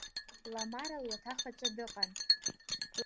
Ламара луаҭах аҿы дыҟан.